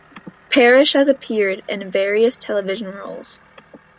Parish has appeared in various television roles.